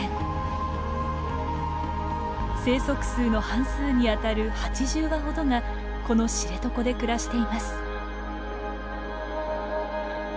生息数の半数にあたる８０羽ほどがこの知床で暮らしています。